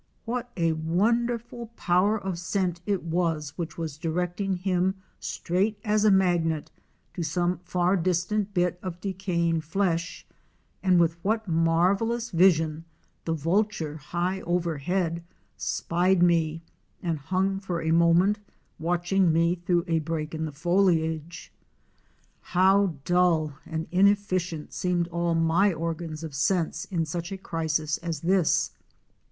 What a wonderful power of JUNGLE LIFE AT AREMU. 311 scent it was which was directing him straight as a magnet, to some far distant bit of decaying flesh, and with what mar vellous vision the Vulture high overhead spied me and hung for a moment watching me through a break in the foliage! How dull and inefficient seemed all my organs of sense in such a crisis as this.